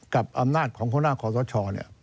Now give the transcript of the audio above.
กับอำนาจของคุณนางขอสช